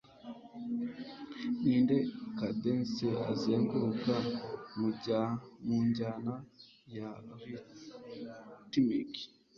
Ninde cadence azenguruka mu njyana ya rhythmic